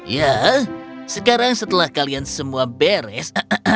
ya sekarang setelah kalian semua beres